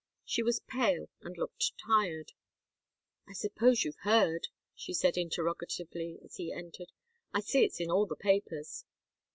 She was pale and looked tired. "I suppose you've heard?" she said, interrogatively, as he entered. "I see it's in all the papers."